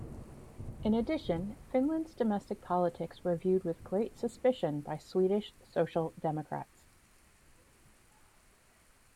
In addition, Finland's domestic politics were viewed with great suspicion by Swedish Social Democrats.